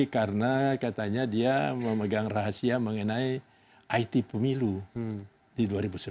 karena katanya dia memegang rahasia mengenai it pemilu di dua ribu sembilan